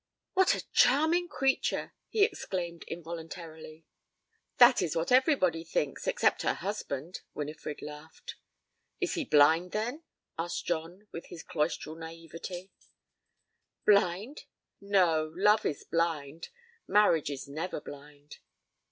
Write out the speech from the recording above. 'What a charming creature!' he exclaimed involuntarily. 'That is what everybody thinks, except her husband,' Winifred laughed. 'Is he blind then?' asked John with his cloistral naïveté. 'Blind? No, love is blind. Marriage is never blind.'